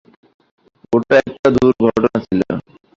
ওটা একটা দূর্ঘটনা ছিল।